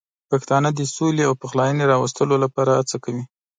پښتانه د سولې او پخلاینې راوستلو لپاره هڅه کوي.